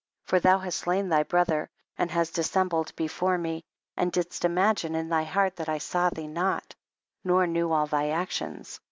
30. For thou hast slain thy brother and hast dissembled before me, and didst imagine in thy heart that I saw thee not, nor knew all thy actions.